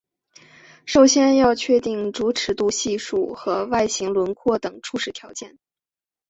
首先要确定主尺度系数和外形轮廓等初始条件。